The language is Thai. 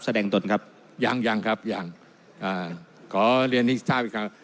แสดงตนครับยังยังครับยังอ่าขอเรียนริสตาลอีกครับ